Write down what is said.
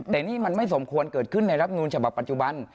แต่นี่มันไม่สมควรเกิดขึ้นในรับนูลฉบับปัจจุบัน